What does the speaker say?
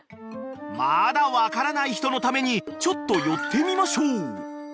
［まだ分からない人のためにちょっと寄ってみましょう］